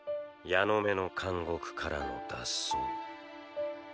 ヤノメの監獄からの脱走